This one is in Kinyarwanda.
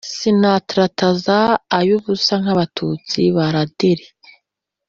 sinatarataza ay’ubusa nk’abatutsi ba raderi